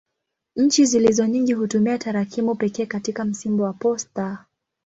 Nchi zilizo nyingi hutumia tarakimu pekee katika msimbo wa posta.